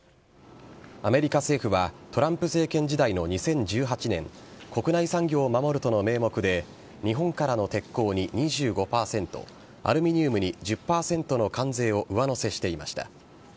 アメリカ政府は、トランプ政権時代の２０１８年、国内産業を守るとの名目で、日本からの鉄鋼に２５％、アルミニウムに１０％の関税を上乗せしていました。